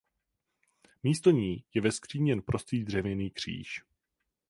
Místo ní je ve skříni jen prostý dřevěný kříž.